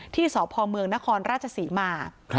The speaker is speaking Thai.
ที่สพนครราชศรีมา